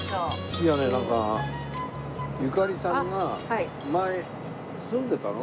次はねなんかゆかりさんが前住んでたの？